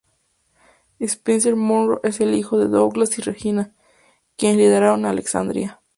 Spencer Monroe es el hijo de Douglas y Regina, quienes lideraron a Alexandria.